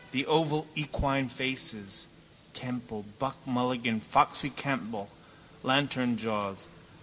The oval equine faces, Temple, Buck Mulligan, Foxy Campbell, Lanternjaws.